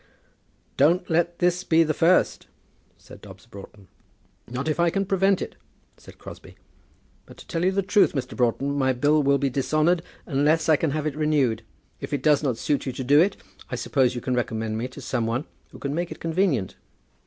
"Don't let this be the first," said Dobbs Broughton. "Not if I can prevent it," said Crosbie. "But, to tell you the truth, Mr. Broughton, my bill will be dishonoured unless I can have it renewed. If it does not suit you to do it, I suppose you can recommend me to some one who can make it convenient."